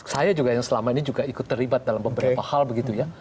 saya juga yang selama ini juga ikut terlibat dalam beberapa hal begitu ya